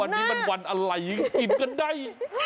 วันนี้มันวันอะไรยิ่งกินกันได้